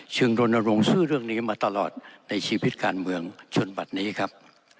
ซึ่งโรนโรงสื่อเรื่องนี้มาตลอดในชีวิตการเมืองชนบัตรนี้ครับ